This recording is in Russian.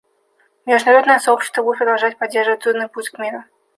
Международное сообщество будет продолжать поддерживать трудный путь к миру.